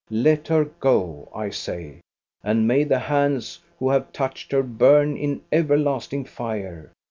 Let her go, I say; and may the hands who have touched her burn in everlasting fire